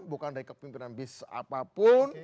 bukan dari kepimpinan bis apapun